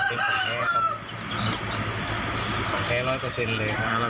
เป็นแผล๑๐๐เปอร์เซ็นต์เลยค่ะ